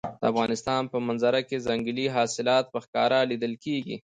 د افغانستان په منظره کې ځنګلي حاصلات په ښکاره لیدل کېږي.